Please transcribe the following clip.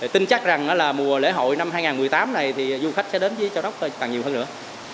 tin chắc rằng là mùa lễ hội năm hai nghìn một mươi tám này thì du khách sẽ đến với châu đốc càng nhiều hơn nữa